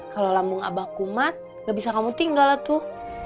kalau lambung abah kumat gak bisa kamu tinggal tuh